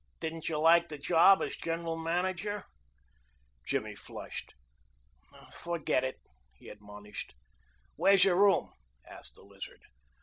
"Didn't you like the job as general manager?" Jimmy flushed. "Forget it," he admonished. "Where's your room?" asked the Lizard.